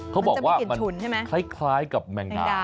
มันจะมีกลิ่นฉุนใช่ไหมเขาบอกว่ามันคล้ายกับแมงดา